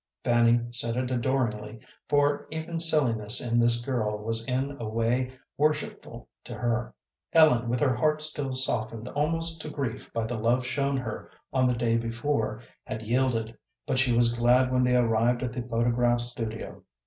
Fanny said it adoringly, for even silliness in this girl was in a way worshipful to her. Ellen, with her heart still softened almost to grief by the love shown her on the day before, had yielded, but she was glad when they arrived at the photograph studio.